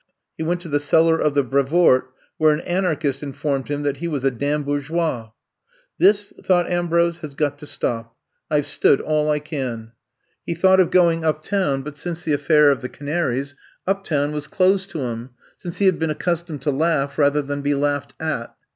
He went to the cellar of the Brevoort where an anarchist informed him that he was a damn bourgeois. *'This,'* thought Ambrose, *'has got to stop. I 've stood all I can.'' He thought 142 I'VE COME TO STAY of going uptown, but since the affair of the canaries, uptown was closed to him, since he had been accustomed to laugh rather than be laughed at.